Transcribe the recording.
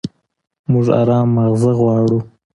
موږ ارام ماغزه غواړو.